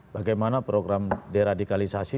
bagaimana program deradikalisasi